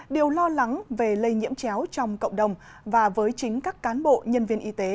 điều lo lắng về lây nhiễm chéo trong cộng đồng và với chính các cán bộ nhân viên y tế